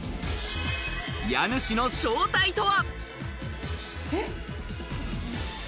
家主の正体とは？